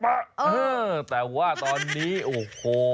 เออแต่ว่าตอนนี้โอ้โห